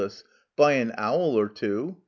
By an owl or two !